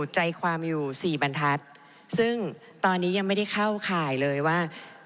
ใจความอยู่๔บรรทัศน์ซึ่งตอนนี้ยังไม่ได้เข้าข่ายเลยว่า